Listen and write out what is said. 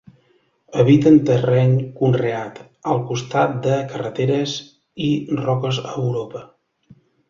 Habita en terreny conreat, al costat de carreteres i roques a Europa.